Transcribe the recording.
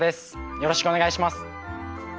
よろしくお願いします。